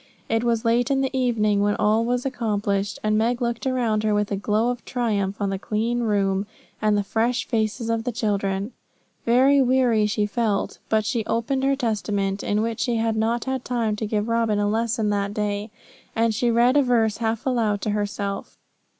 It was late in the evening when all was accomplished, and Meg looked around her with a glow of triumph on the clean room and the fresh faces of the children. Very weary she felt, but she opened her Testament, in which she had not had time to give Robin a lesson that day, and she read a verse half aloud to herself.